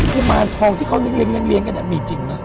กุมารทองที่เขาเลี้ยงเรียงกันมีจริงมั้ย